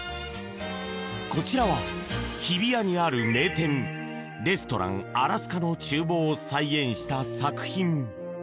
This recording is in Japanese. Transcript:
こちらは日比谷にある名店レストランアラスカの厨房を再現した作品。